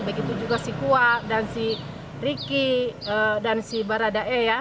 begitu juga si kua dan si riki dan si baradae ya